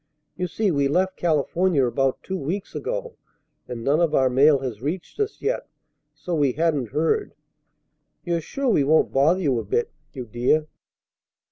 You see we left California about two weeks ago, and none of our mail has reached us yet; so we hadn't heard. You're sure we won't bother you a bit, you dear?"